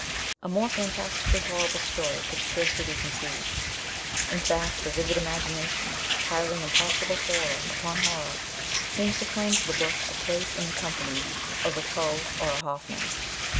A more fantastically horrible story could scarcely be conceived ; in fact, the vivid imagination, piling impossible horror upon horror, seems to claim for the book a place in the company of a Poe or a Hoffmann.